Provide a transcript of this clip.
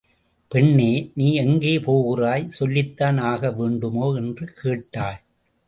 பெண்ணே நீ எங்கே போகிறாய்? சொல்லித்தான் ஆகவேண்டுமோ? என்று கேட்டாள்.